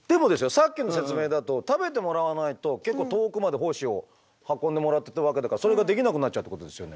さっきの説明だと食べてもらわないと結構遠くまで胞子を運んでもらってたわけだからそれができなくなっちゃうってことですよね。